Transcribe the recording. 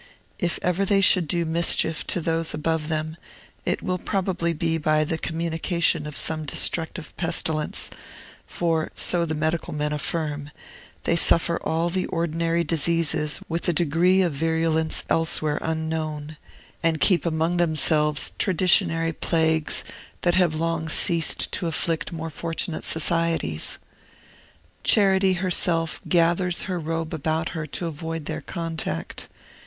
If ever they should do mischief to those above them, it will probably be by the communication of some destructive pestilence; for, so the medical men affirm, they suffer all the ordinary diseases with a degree of virulence elsewhere unknown, and keep among themselves traditionary plagues that have long ceased to afflict more fortunate societies. Charity herself gathers her robe about her to avoid their contact.